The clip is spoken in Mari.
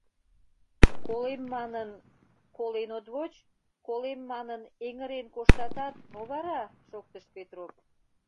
Колем манын, колен от воч, колем манын, эҥырен коштатат, мо вара? — шоктыш Петроп.